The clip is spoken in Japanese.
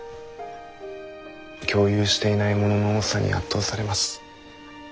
共有していないものの多さに圧倒されます。